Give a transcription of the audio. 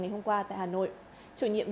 ngày hôm qua tại hà nội chủ nhiệm